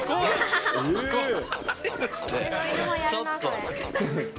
ちょっと。